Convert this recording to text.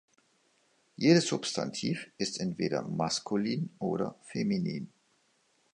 Jedes Substantiv ist entweder maskulin oder feminin.